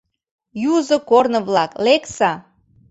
— Юзо корно-влак, лекса!